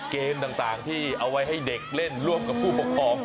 เกมต่างที่เอาไว้ให้เด็กเล่นร่วมกับผู้ปกครอง